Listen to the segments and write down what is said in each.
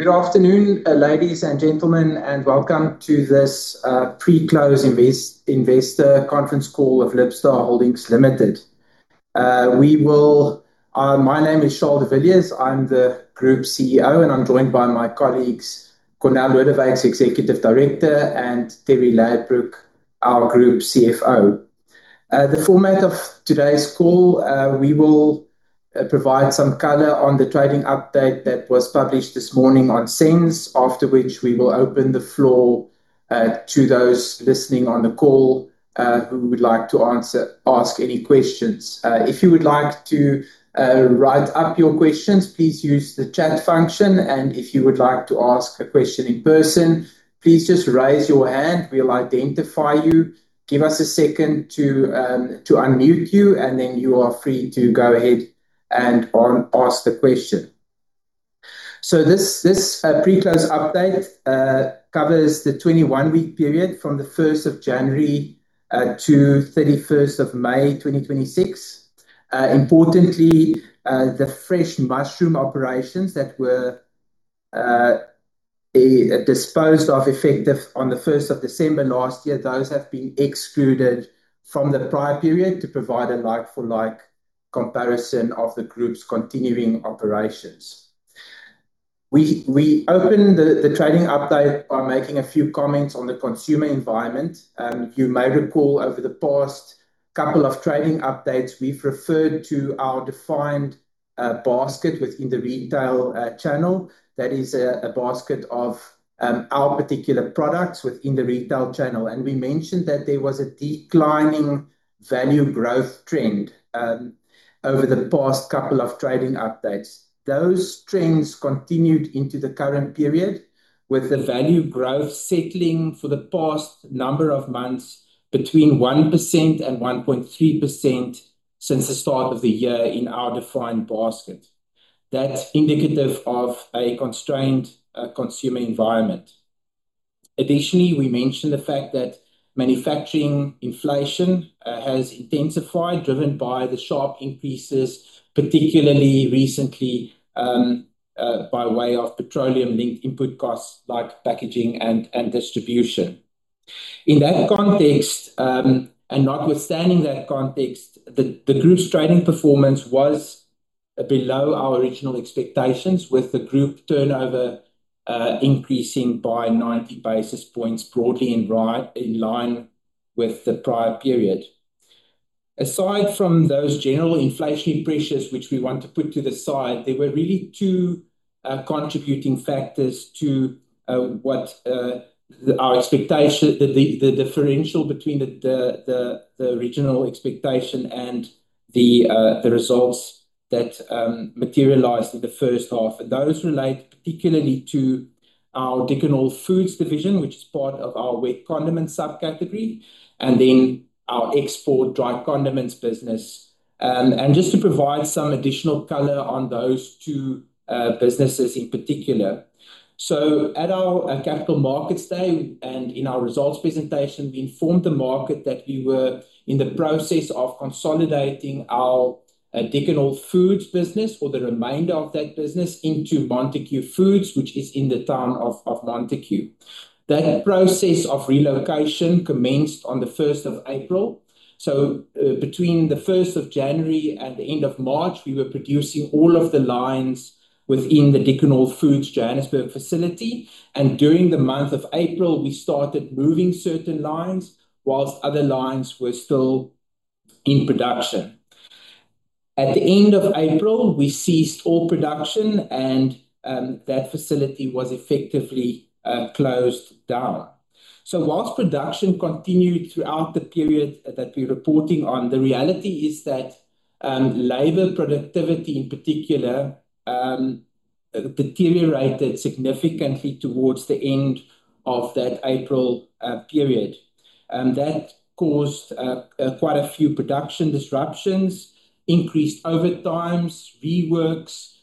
Good afternoon, ladies and gentlemen, and welcome to this pre-close investor conference call of Libstar Holdings Limited. My name is Charl de Villiers. I am the Group Chief Executive Officer, and I am joined by my colleagues, Cornél Lodewyks, Executive Director, and Terri Ladbrooke, our Group Chief Financial Officer. The format of today's call, we will provide some color on the trading update that was published this morning on SENS, after which we will open the floor to those listening on the call who would like to ask any questions. If you would like to write up your questions, please use the chat function. If you would like to ask a question in person, please just raise your hand. We will identify you. Give us a second to unmute you are free to go ahead and ask the question. This pre-close update covers the 21-week period from the January 1st to May 31st, 2026. Importantly, the fresh mushroom operations that were disposed of effective on the December 1st last year, those have been excluded from the prior period to provide a like-for-like comparison of the group's continuing operations. We open the trading update by making a few comments on the consumer environment. You may recall over the past couple of trading updates, we have referred to our defined basket within the retail channel. That is a basket of our particular products within the retail channel. We mentioned that there was a declining value growth trend over the past couple of trading updates. Those trends continued into the current period, with the value growth settling for the past number of months between 1% and 1.3% since the start of the year in our defined basket. That is indicative of a constrained consumer environment. Additionally, we mentioned the fact that manufacturing inflation has intensified, driven by the sharp increases, particularly recently, by way of petroleum-linked input costs like packaging and distribution. In that context, and notwithstanding that context, the group's trading performance was below our original expectations, with the group turnover increasing by 90 basis points broadly in line with the prior period. Aside from those general inflationary pressures, which we want to put to the side, there were really two contributing factors to the differential between the original expectation and the results that materialized in the first half. Those relate particularly to our Dickon Hall Foods division, which is part of our wet condiments subcategory, our export dried condiments business. Just to provide some additional color on those two businesses in particular. At our Capital Markets Day and in our results presentation, we informed the market that we were in the process of consolidating our Dickon Hall Foods business for the remainder of that business into Montagu Foods, which is in the town of Montagu. That process of relocation commenced on the April 1st. Between the January 1st and the end of March, we were producing all of the lines within the Dickon Hall Foods Johannesburg facility. During the month of April, we started moving certain lines whilst other lines were still in production. At the end of April, we ceased all production, that facility was effectively closed down. Whilst production continued throughout the period that we are reporting on, the reality is that labor productivity, in particular, deteriorated significantly towards the end of that April period. That caused quite a few production disruptions, increased overtimes, reworks,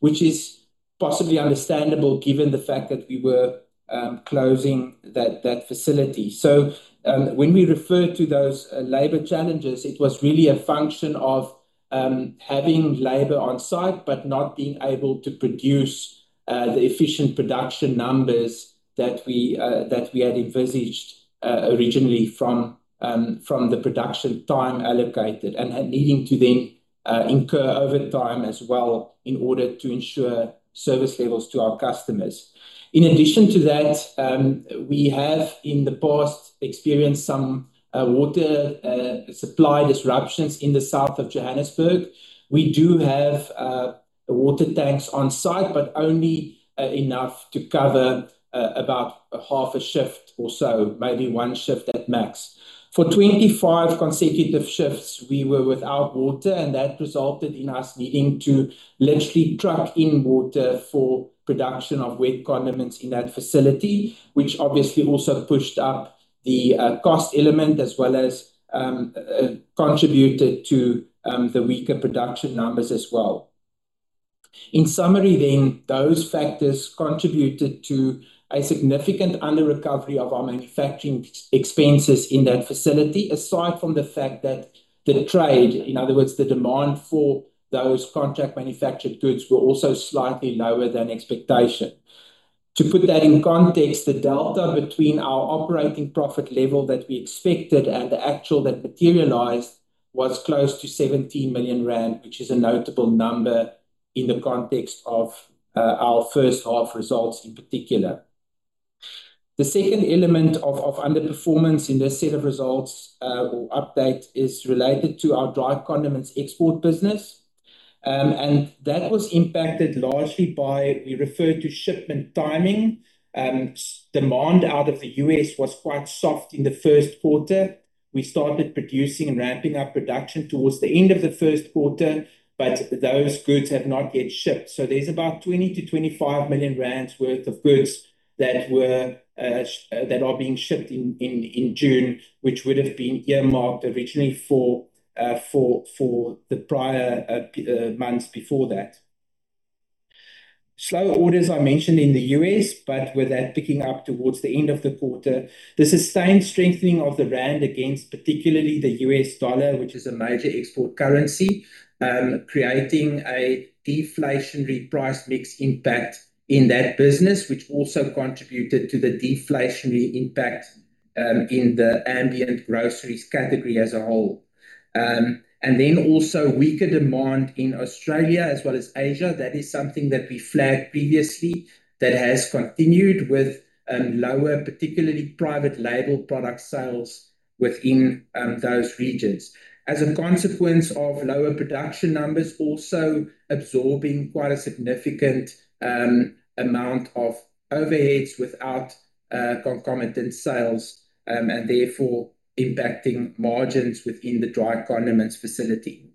which is possibly understandable given the fact that we were closing that facility. When we refer to those labor challenges, it was really a function of having labor on-site but not being able to produce the efficient production numbers that we had envisaged originally from the production time allocated and needing to then incur overtime as well in order to ensure service levels to our customers. In addition to that, we have in the past experienced some water supply disruptions in the south of Johannesburg. We do have water tanks on-site, but only enough to cover about half a shift or so, maybe one shift at max. For 25 consecutive shifts, we were without water, and that resulted in us needing to literally truck in water for production of wet condiments in that facility, which obviously also pushed up the cost element as well as contributed to the weaker production numbers as well. In summary, those factors contributed to a significant under-recovery of our manufacturing expenses in that facility, aside from the fact that the trade, in other words, the demand for those contract manufactured goods, were also slightly lower than expectation. To put that in context, the delta between our operating profit level that we expected and the actual that materialized was close to 17 million rand, which is a notable number in the context of our first half results in particular. The second element of underperformance in this set of results or update is related to our dried condiments export business, and that was impacted largely by, we refer to shipment timing. Demand out of the U.S. was quite soft in the first quarter. We started producing and ramping up production towards the end of the first quarter, but those goods have not yet shipped. There's about 20 million-25 million rand worth of goods that are being shipped in June, which would've been earmarked originally for the prior months before that. Slower orders are mentioned in the U.S., but with that picking up towards the end of the quarter. The sustained strengthening of the rand against particularly the U.S. dollar, which is a major export currency, creating a deflationary price mix impact in that business, which also contributed to the deflationary impact in the ambient groceries category as a whole. Also weaker demand in Australia as well as Asia. That is something that we flagged previously that has continued with lower, particularly private label product sales within those regions. As a consequence of lower production numbers, also absorbing quite a significant amount of overheads without concomitant sales, and therefore impacting margins within the dried condiments facility.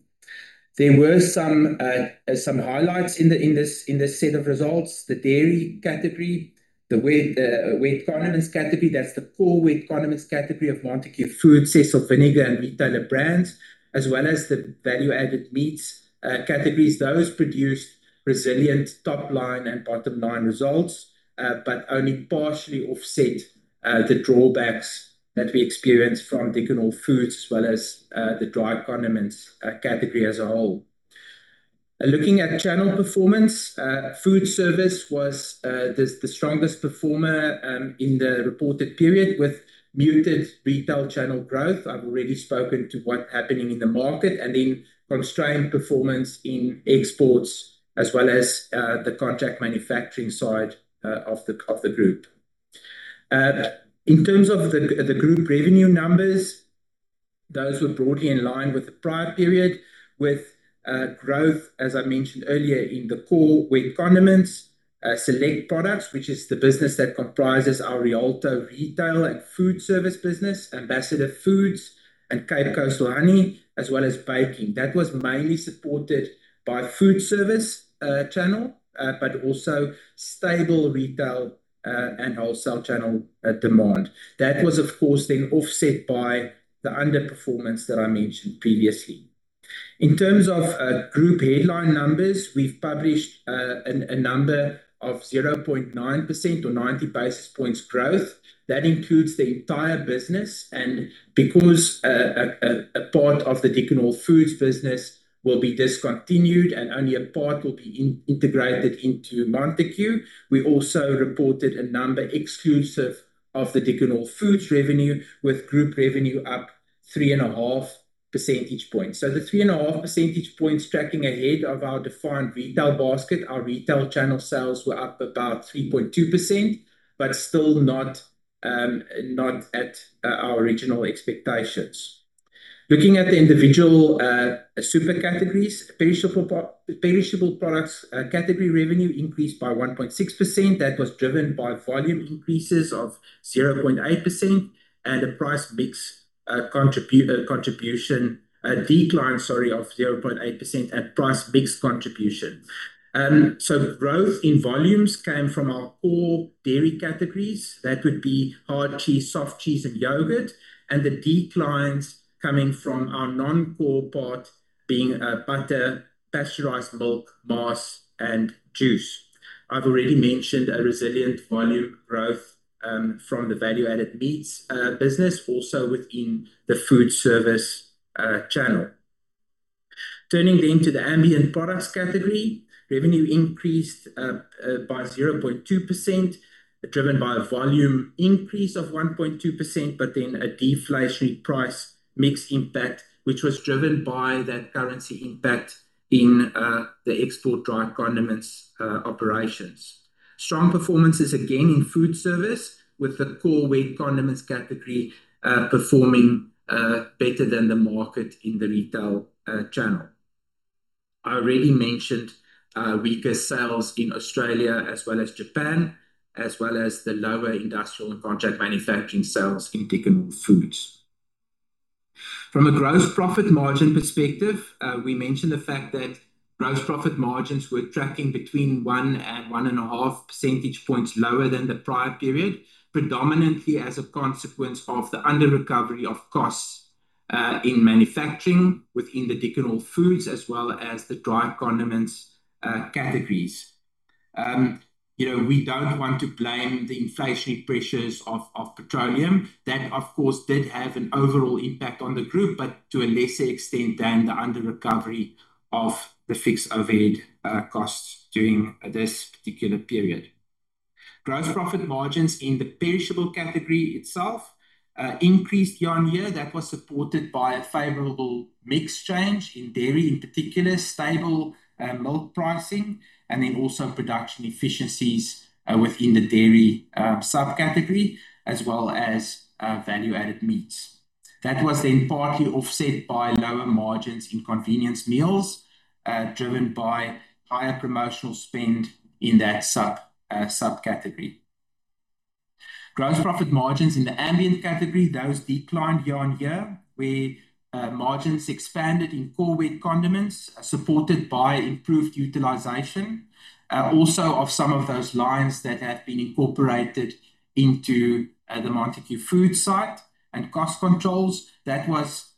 There were some highlights in this set of results. The dairy category, the wet condiments category, that's the core wet condiments category of Montagu Foods, Cecil Vinegar, and retailer brands, as well as the value-added meats categories. Those produced resilient top-line and bottom-line results, but only partially offset the drawbacks that we experience from Dickon Hall Foods as well as the dried condiments category as a whole. Looking at channel performance, food service was the strongest performer in the reported period with muted retail channel growth. I've already spoken to what's happening in the market, and then constrained performance in exports as well as the contract manufacturing side of the group. In terms of the group revenue numbers, those were broadly in line with the prior period, with growth, as I mentioned earlier, in the core wet condiments. Select Products, which is the business that comprises our Rialto retail and food service business, Ambassador Foods and Cape Coastal Honey, as well as baking. That was mainly supported by food service channel, but also stable retail and wholesale channel demand. That was, of course, then offset by the underperformance that I mentioned previously. In terms of group headline numbers, we've published a number of 0.9% or 90 basis points growth. That includes the entire business. Because a part of the Dickon Hall Foods business will be discontinued and only a part will be integrated into Montagu, we also reported a number exclusive of the Dickon Hall Foods revenue, with group revenue up 3.5 percentage points. The 3.5 percentage points tracking ahead of our defined retail basket. Our retail channel sales were up about 3.2%, but still not at our original expectations. Looking at the individual super categories. Perishable products category revenue increased by 1.6%. That was driven by volume increases of 0.8% and a price mix contribution, a decline, sorry, of 0.8% at price mix contribution. The growth in volumes came from our core dairy categories. That would be hard cheese, soft cheese, and yogurt, and the declines coming from our non-core part being butter, pasteurized milk, maas, and juice. I've already mentioned a resilient volume growth from the value-added meats business, also within the food service channel. Turning to the ambient products category. Revenue increased by 0.2%, driven by a volume increase of 1.2%, but then a deflationary price mix impact, which was driven by that currency impact in the export dried condiments operations. Strong performances, again in food service with the core wet condiments category, performing better than the market in the retail channel. I already mentioned weaker sales in Australia as well as Japan, as well as the lower industrial and contract manufacturing sales in Dickon Hall Foods. From a gross profit margin perspective, we mentioned the fact that gross profit margins were tracking between one and one and a half percentage points lower than the prior period, predominantly as a consequence of the under-recovery of costs in manufacturing within the Dickon Hall Foods as well as the dried condiments categories. We don't want to blame the inflationary pressures of petroleum. That, of course, did have an overall impact on the group, but to a lesser extent than the under-recovery of the fixed overhead costs during this particular period. Gross profit margins in the perishable category itself increased year-on-year. That was supported by a favorable mix change in dairy, in particular, stable milk pricing, and then also production efficiencies within the dairy subcategory, as well as value-added meats. That was then partly offset by lower margins in convenience meals, driven by higher promotional spend in that subcategory. Gross profit margins in the ambient category, those declined year-on-year, where margins expanded in core wheat condiments, supported by improved utilization. Also of some of those lines that have been incorporated into the Montagu Foods site and cost controls. That was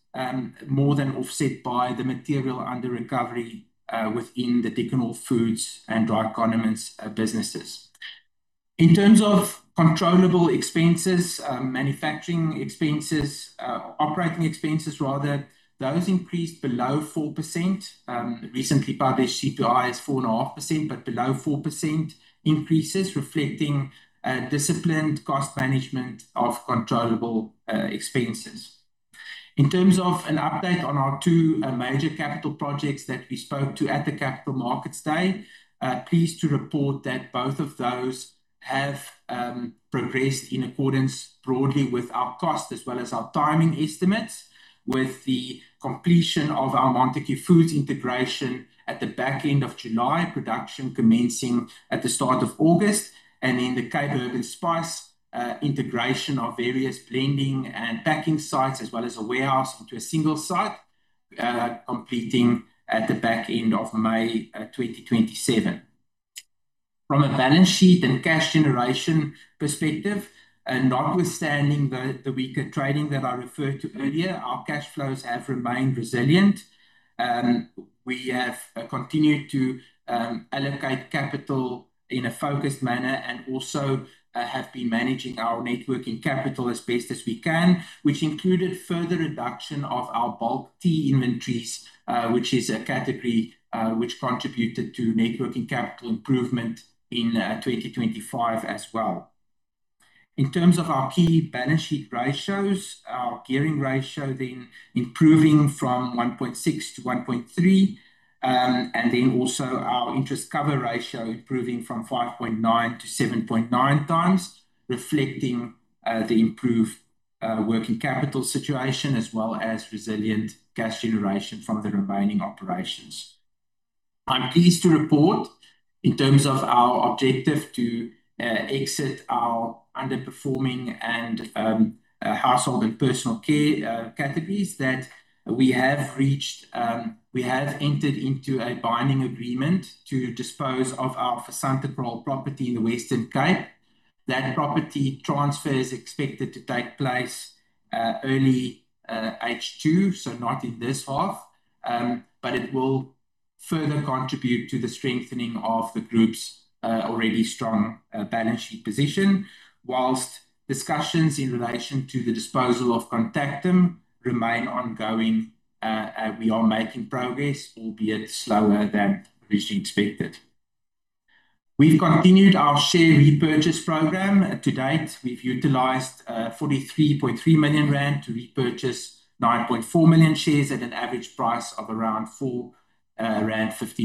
more than offset by the material under recovery within the Dickon Hall Foods and dry condiments businesses. In terms of controllable expenses, manufacturing expenses, operating expenses rather, those increased below 4%. Recently published CPI is 4.5%, below 4% increases, reflecting disciplined cost management of controllable expenses. In terms of an update on our two major capital projects that we spoke to at the Capital Markets Day, pleased to report that both of those have progressed in accordance broadly with our cost as well as our timing estimates. With the completion of our Montagu Foods integration at the back end of July, production commencing at the start of August. Then the Cape Herb & Spice integration of various blending and packing sites, as well as a warehouse into a single site, completing at the back end of May 2027. From a balance sheet and cash generation perspective, notwithstanding the weaker trading that I referred to earlier, our cash flows have remained resilient. We have continued to allocate capital in a focused manner and also have been managing our networking capital as best as we can, which included further reduction of our bulk tea inventories, which is a category which contributed to networking capital improvement in 2025 as well. In terms of our key balance sheet ratios, our gearing ratio improving from 1.6 to 1.3. Also our interest cover ratio improving from 5.9-7.9x, reflecting the improved working capital situation, as well as resilient cash generation from the remaining operations. I'm pleased to report in terms of our objective to exit our underperforming and household and personal care categories that we have entered into a binding agreement to dispose of our Phesantekraal property in the Western Cape. That property transfer is expected to take place early H2, so not in this half. It will further contribute to the strengthening of the group's already strong balance sheet position. Whilst discussions in relation to the disposal of Contactim remain ongoing, we are making progress, albeit slower than originally expected. We've continued our share repurchase program. To date, we've utilized 43.3 million rand to repurchase 9.4 million shares at an average price of around 4.59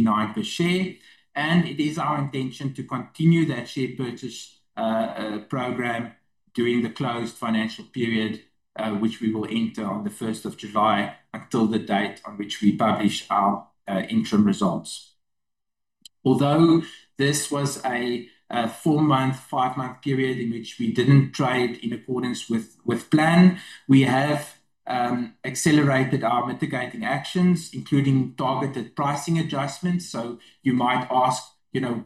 rand per share. It is our intention to continue that share purchase program during the closed financial period, which we will enter on the July 1st until the date on which we publish our interim results. Although this was a four-month, five-month period in which we didn't trade in accordance with plan, we have accelerated our mitigating actions, including targeted pricing adjustments. You might ask,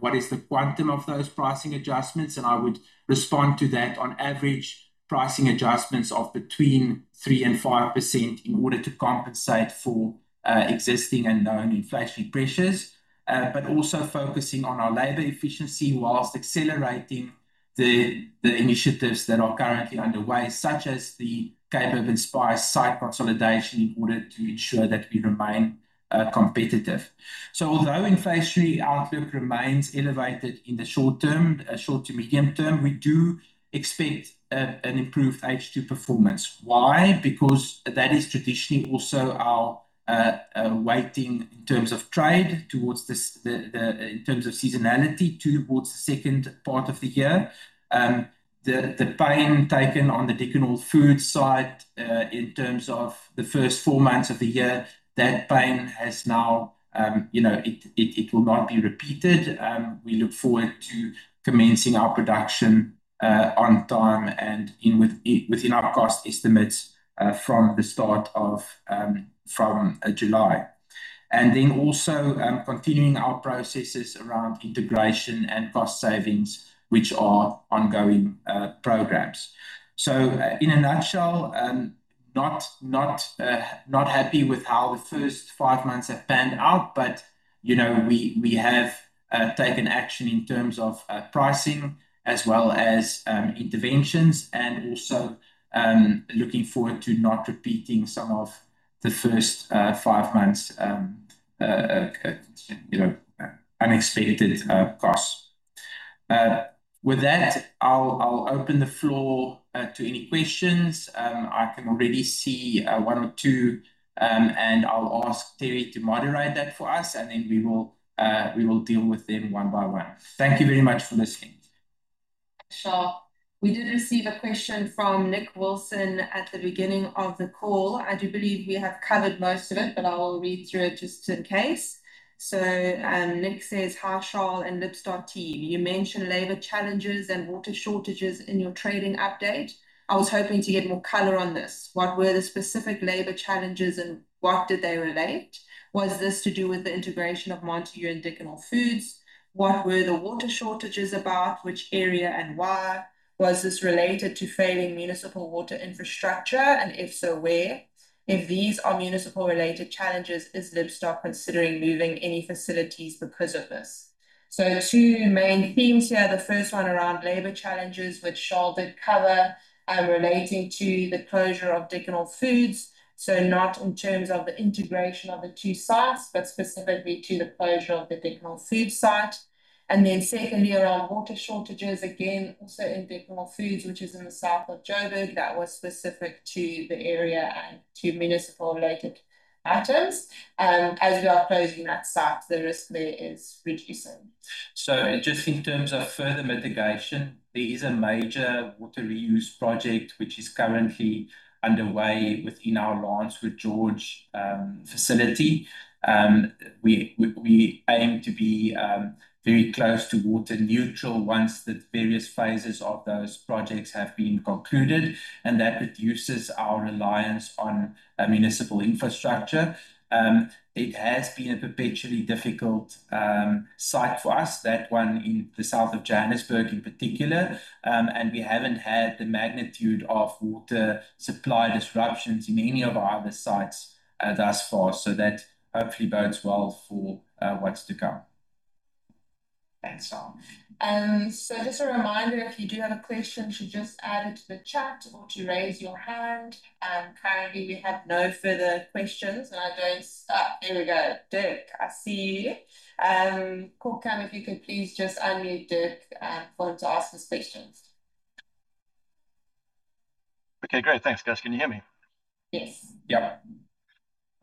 what is the quantum of those pricing adjustments? I would respond to that, on average, pricing adjustments of between 3%-5% in order to compensate for existing and known inflationary pressures. Also focusing on our labor efficiency whilst accelerating the initiatives that are currently underway, such as the Cape Herb & Spice site consolidation in order to ensure that we remain competitive. Although inflationary outlook remains elevated in the short term, short to medium term, we do expect an improved H2 performance. Why? Because that is traditionally also our waiting in terms of trade towards the, in terms of seasonality, towards the second part of the year. The pain taken on the Dickon Hall Foods site, in terms of the first four months of the year, it will not be repeated. We look forward to commencing our production on time and within our cost estimates from the start of July. Then also continuing our processes around integration and cost savings, which are ongoing programs. In a nutshell, not happy with how the first five months have panned out, but we have taken action in terms of pricing as well as interventions, and also looking forward to not repeating some of the first five months' performance, you know, unexpected costs. With that, I will open the floor to any questions. I can already see one or two, and I will ask Terri to moderate that for us, then we will deal with them one by one. Thank you very much for listening. Sure. We did receive a question from Nick Wilson at the beginning of the call. I do believe we have covered most of it, but I will read through it just in case. Nick says, "Hi, Charl and Libstar team. You mention labor challenges and water shortages in your trading update. I was hoping to get more color on this. What were the specific labor challenges and what did they relate? Was this to do with the integration of Montagu and Dickon Hall Foods? What were the water shortages about? Which area and why? Was this related to failing municipal water infrastructure, and if so, where? If these are municipal-related challenges, is Libstar considering moving any facilities because of this?" Two main themes here. The first one around labor challenges, which Charl did cover, relating to the closure of Dickon Hall Foods. Not in terms of the integration of the two sites, but specifically to the closure of the Dickon Hall Foods site. Then secondly, around water shortages, again, also in Dickon Hall Foods, which is in the south of Joburg. That was specific to the area and to municipal-related items. As we are closing that site, the risk there is reducing. Just in terms of further mitigation, there is a major water reuse project which is currently underway within our Lancewood George facility. We aim to be very close to water neutral once the various phases of those projects have been concluded, and that reduces our reliance on municipal infrastructure. It has been a perpetually difficult site for us, that one in the south of Johannesburg in particular, and we haven't had the magnitude of water supply disruptions in any of our other sites thus far. That hopefully bodes well for what's to come. Thanks, Charl. Just a reminder, if you do have a question to just add it to the chat or to raise your hand. Currently, we have no further questions, and here we go. Dirk, I see you. Cool. [Cam], if you could please just unmute Dirk for him to ask his questions. Great. Thanks, guys. Can you hear me? Yes.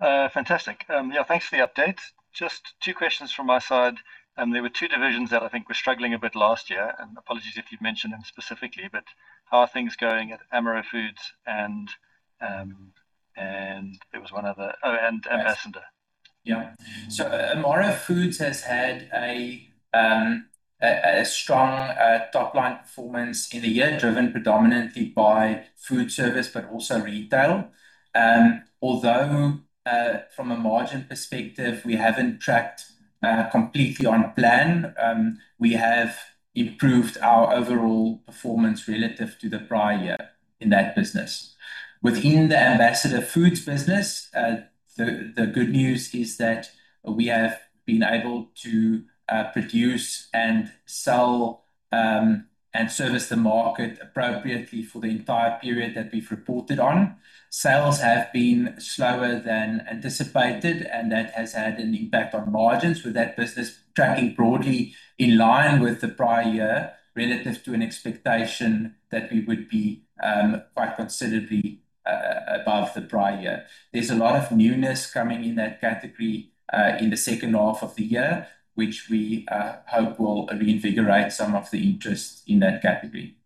Yeah. Fantastic. Thanks for the update. Just two questions from my side. There were two divisions that I think were struggling a bit last year, and apologies if you've mentioned them specifically, but how are things going at Amaro Foods and, there was one other. Yes Ambassador? Yeah. Amaro Foods has had a strong top-line performance in the year, driven predominantly by food service, but also retail. Although, from a margin perspective, we haven't tracked completely on plan. We have improved our overall performance relative to the prior year in that business. Within the Ambassador Foods business, the good news is that we have been able to produce and sell, and service the market appropriately for the entire period that we've reported on. Sales have been slower than anticipated, and that has had an impact on margins, with that business tracking broadly in line with the prior year relative to an expectation that we would be quite considerably above the prior year. There's a lot of newness coming in that category in the second half of the year, which we hope will reinvigorate some of the interest in that category.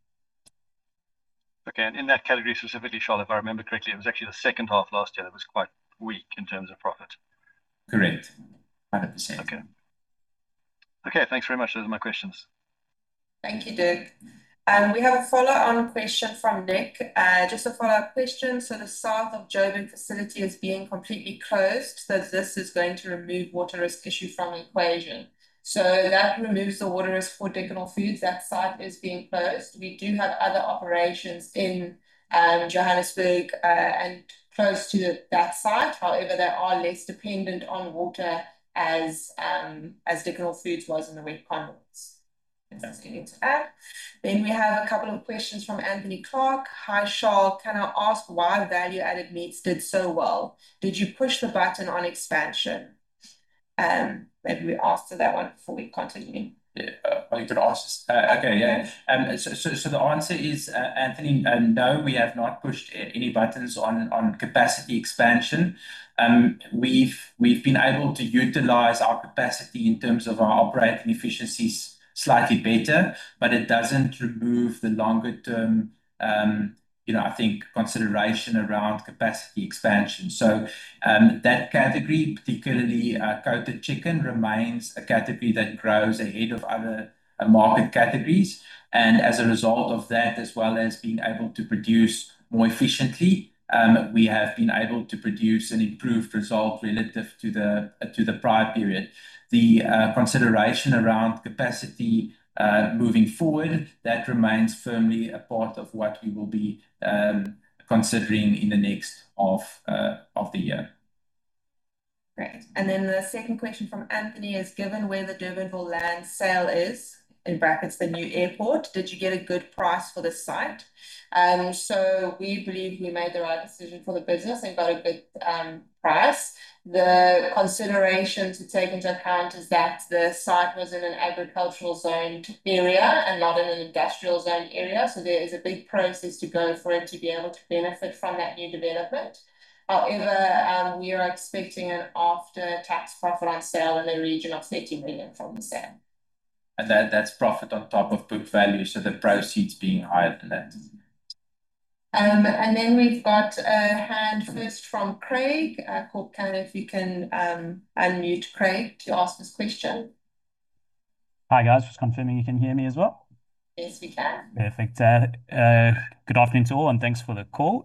Okay. In that category specifically, Charl, if I remember correctly, it was actually the second half last year that was quite weak in terms of profit. Correct. 100%. Okay. Okay, thanks very much. Those are my questions. Thank you, Dirk. We have a follow-on question from Nick. Just a follow-up question. The south of Joburg facility is being completely closed, this is going to remove water risk issue from equation. That removes the water risk for Dickon Hall Foods. That site is being closed. We do have other operations in Johannesburg and close to that site. However, they are less dependent on water as Dickon Hall Foods was in the wet condiments. Okay. If that's okay to add. We have a couple of questions from Anthony Clark. "Hi, Charl. Can I ask why value-added meats did so well? Did you push the button on expansion?" Maybe we answer that one before we continue. You could ask this. Okay. Yeah. The answer is, Anthony, no, we have not pushed any buttons on capacity expansion. We've been able to utilize our capacity in terms of our operating efficiencies slightly better, but it doesn't remove the longer-term consideration around capacity expansion. That category, particularly coated chicken, remains a category that grows ahead of other market categories. As a result of that, as well as being able to produce more efficiently, we have been able to produce an improved result relative to the prior period. The consideration around capacity moving forward, that remains firmly a part of what we will be considering in the next half of the year. Great. The second question from Anthony is: Given where the Durbanville land sale is, in brackets, the new airport, did you get a good price for the site? We believe we made the right decision for the business and got a good price. The consideration to take into account is that the site was in an agricultural zoned area and not in an industrial zoned area. There is a big process to go through to be able to benefit from that new development. However, we are expecting an after-tax profit on sale in the region of 30 million from the sale. That's profit on top of book value, so the proceeds being higher than that. We've got a hand first from Craig. Corné, if you can unmute Craig to ask his question. Hi, guys. Just confirming you can hear me as well. Yes, we can. Perfect. Good afternoon to all, and thanks for the call.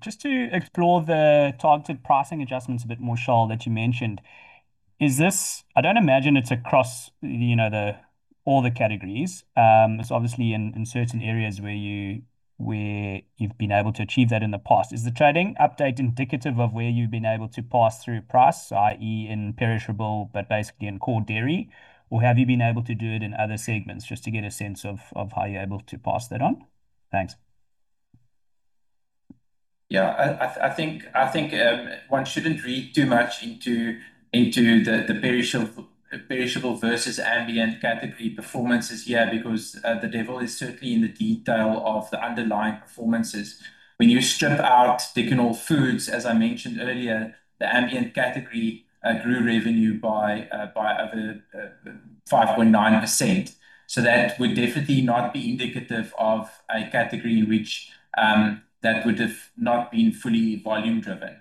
Just to explore the targeted pricing adjustments a bit more, Charl, that you mentioned. I do not imagine it is across all the categories. It is obviously in certain areas where you have been able to achieve that in the past. Is the trading update indicative of where you have been able to pass through price, i.e., in perishable, but basically in core dairy, or have you been able to do it in other segments, just to get a sense of how you are able to pass that on? Thanks. I think one should not read too much into the perishable versus ambient category performances here because the devil is certainly in the detail of the underlying performances. When you strip out Dickon Hall Foods, as I mentioned earlier, the ambient category grew revenue by over 5.9%. That would definitely not be indicative of a category which that would have not been fully volume driven,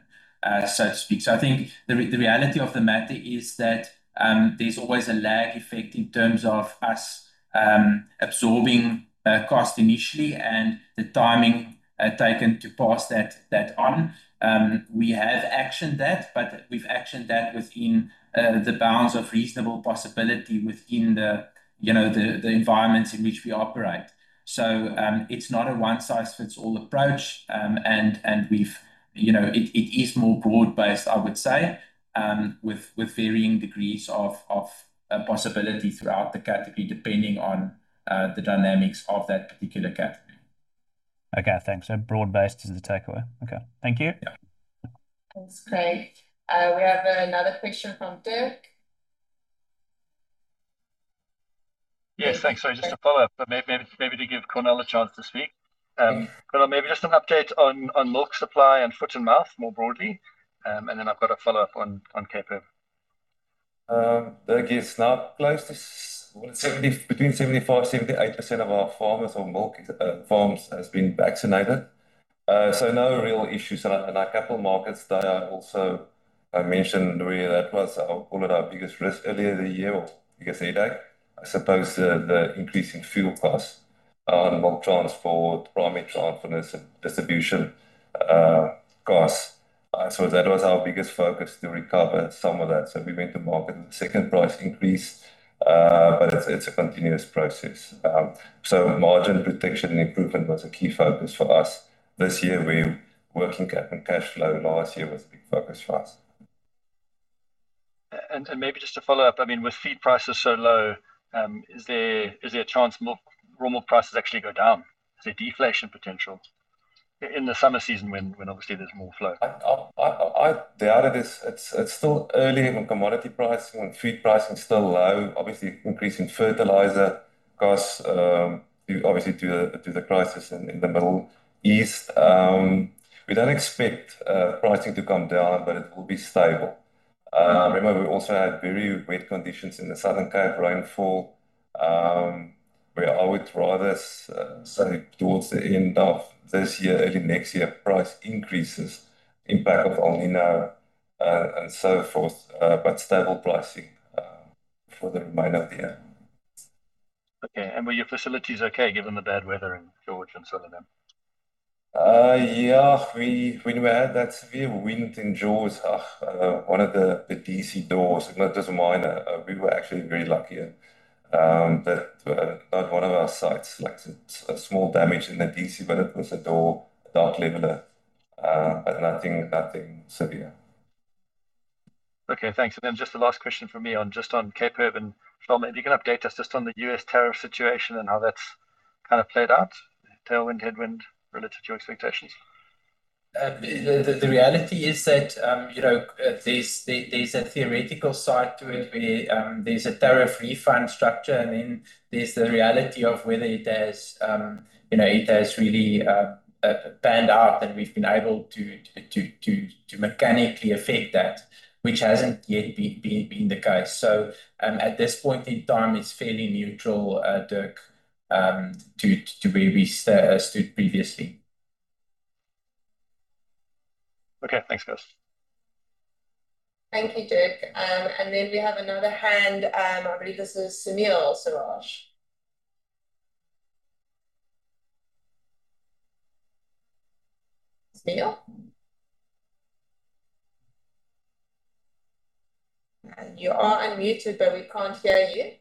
so to speak. I think the reality of the matter is that there is always a lag effect in terms of us absorbing cost initially and the timing taken to pass that on. We have actioned that, we have actioned that within the bounds of reasonable possibility within the environments in which we operate. It is not a one-size-fits-all approach. It is more broad-based, I would say, with varying degrees of possibility throughout the category, depending on the dynamics of that particular category. Thanks. Broad-based is the takeaway. Thank you. Yeah. Thanks, Craig. We have another question from Dirk. Yes, thanks. Sorry, just a follow-up, maybe to give Cornél a chance to speak. Cornél, maybe just an update on milk supply and foot-and-mouth more broadly, I've got a follow-up on Cape Herb. Dirk, yes. Close to between 75%-78% of our farmers or milk farms has been vaccinated. No real issues in our capital markets there. I mentioned earlier that was, I would call it our biggest risk earlier the year or biggest headache, I suppose, the increasing fuel costs on milk transport, primary transport and distribution costs. That was our biggest focus to recover some of that. We went to market with the second price increase, it's a continuous process. Margin protection and improvement was a key focus for us this year, where working capital and cash flow last year was a big focus for us. Maybe just to follow-up, with feed prices so low, is there a chance raw milk prices actually go down? Is there deflation potential in the summer season when obviously there's more flow? I doubt it. It's still early on commodity pricing, when feed pricing is still low. Obviously, increase in fertilizer costs, obviously due to the crisis in the Middle East. We don't expect pricing to come down, it will be stable. Remember, we also had very wet conditions in the Southern Cape rainfall, where I would rather say towards the end of this year, early next year, price increases impact of El Niño and so forth, stable pricing for the remainder of the year. Okay. were your facilities okay given the bad weather in George and Southern Cape? Yeah. When we had that severe wind in George, one of the DC doors, it was minor. We were actually very luckier, but one of our sites, a small damage in the DC, but it was a door, a dock leveler, but nothing severe. Okay, thanks. then just the last question from me on just on Cape Herb. Charl, maybe you can update us just on the U.S. tariff situation and how that's kind of played out. Tailwind, headwind, relative to your expectations. The reality is that there's a theoretical side to it where there's a tariff refund structure, and then there's the reality of whether it has really panned out and we've been able to mechanically affect that, which hasn't yet been the case. at this point in time, it's fairly neutral, Dirk, to where we stood previously. Okay. Thanks, guys. Thank you, Dirk. We have another hand. I believe this is Sunil Suraj. Sunil? You are unmuted, but we can't hear you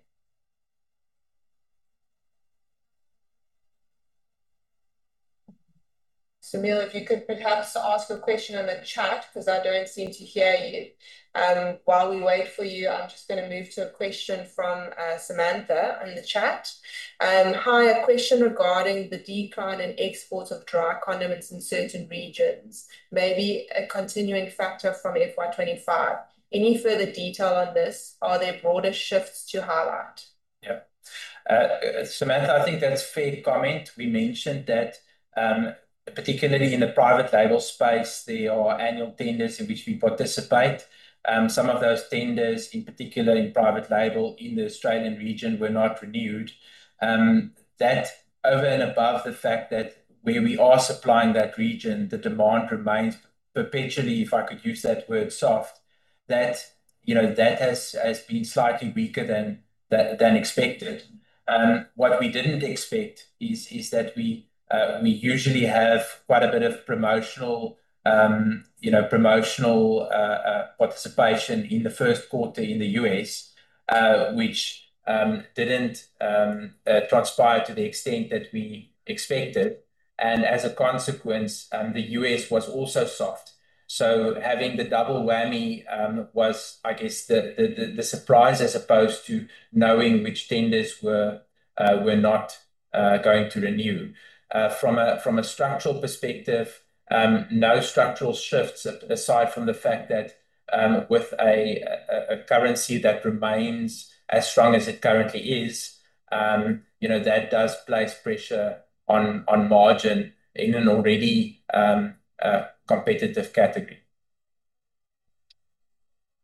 Sunil, if you could perhaps ask a question on the chat because I don't seem to hear you. While we wait for you, I'm just going to move to a question from Samantha in the chat. "Hi, a question regarding the decline in exports of dry condiments in certain regions may be a continuing factor from FY 2025. Any further detail on this? Are there broader shifts to highlight? Yeah. Samantha, I think that's a fair comment. We mentioned that, particularly in the private label space, there are annual tenders in which we participate. Some of those tenders, in particular in private label in the Australian region, were not renewed. That over and above the fact that where we are supplying that region, the demand remains perpetually, if I could use that word, soft. That has been slightly weaker than expected. What we didn't expect is that we usually have quite a bit of promotional participation in the first quarter in the U.S., which didn't transpire to the extent that we expected. As a consequence, the U.S. was also soft. Having the double whammy was, I guess, the surprise as opposed to knowing which tenders were not going to renew. From a structural perspective, no structural shifts aside from the fact that with a currency that remains as strong as it currently is, that does place pressure on margin in an already competitive category.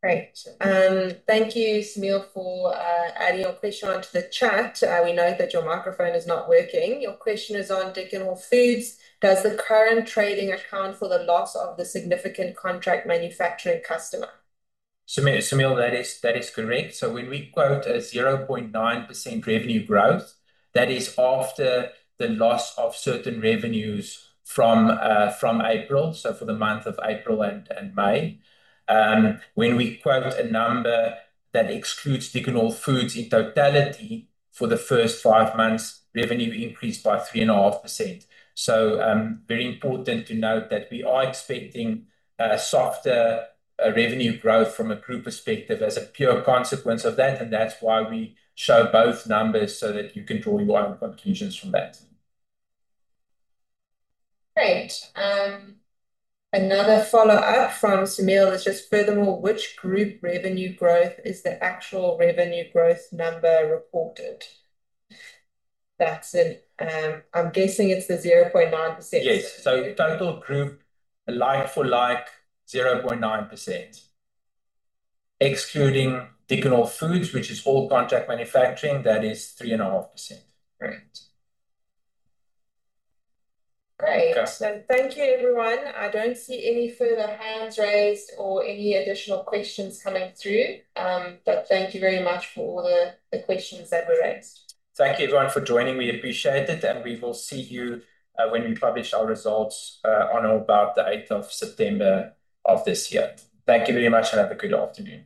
Great. Thank you, Sunil, for adding your question onto the chat. We note that your microphone is not working. Your question is on Dickon Hall Foods. Does the current trading account for the loss of the significant contract manufacturing customer? Sunil, that is correct. When we quote a 0.9% revenue growth, that is after the loss of certain revenues from April, for the month of April and May. When we quote a number that excludes Dickon Hall Foods in totality, for the first five months, revenue increased by 3.5%. Very important to note that we are expecting a softer revenue growth from a group perspective as a pure consequence of that's why we show both numbers so that you can draw your own conclusions from that. Great. Another follow-up from Sunil is just, "Furthermore, which group revenue growth is the actual revenue growth number reported?" I'm guessing it's the 0.9%. Yes. Total group, like-for-like, 0.9%. Excluding Dickon Hall Foods, which is all contract manufacturing, that is 3.5%. Great. Okay. Great. Thank you, everyone. I don't see any further hands raised or any additional questions coming through. Thank you very much for all the questions that were raised. Thank you everyone for joining. We appreciate it, and we will see you when we publish our results on or about the September 8th of this year. Thank you very much, and have a good afternoon.